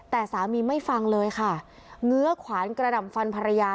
แต่สามีไม่ฟังเลยค่ะเงื้อขวานกระดำฟันภรรยา